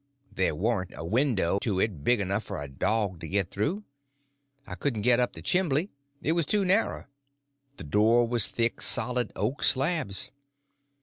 There warn't a window to it big enough for a dog to get through. I couldn't get up the chimbly; it was too narrow. The door was thick, solid oak slabs.